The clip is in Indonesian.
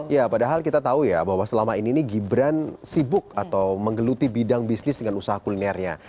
ya padahal kita tahu ya bahwa selama ini gibran sibuk atau menggeluti bidang bisnis dengan usaha kulinernya